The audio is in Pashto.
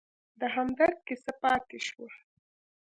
د همدرد کیسه پاتې شوه.